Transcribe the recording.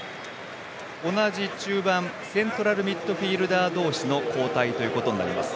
同じ中盤セントラルミッドフィールダー同士の交代ということになります。